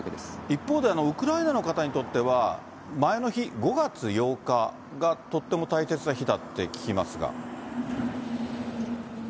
一方で、ウクライナの方にとっては、前の日、５月８日がとっても大切な日だって聞きますが？